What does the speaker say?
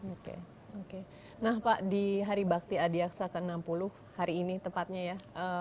oke oke nah pak di hari bakti adiaksa ke enam puluh hari ini tepatnya ya